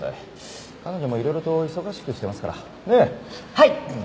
はい！